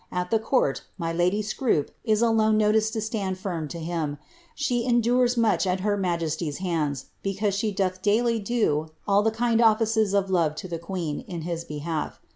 At the court, my y Scroope is alone noticed to stand firm to him ; she endures much II her majesty's hands, because she doth daily do all the kind offices of we to the queen, in his behalf.